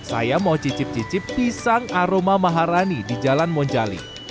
saya mau cicip cicip pisang aroma maharani di jalan monjali